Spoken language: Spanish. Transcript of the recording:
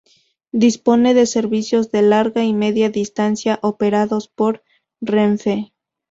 Dispone de servicios de larga y media distancia operados por Renfe.